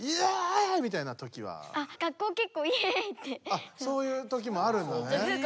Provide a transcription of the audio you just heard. あそういうときもあるんだね。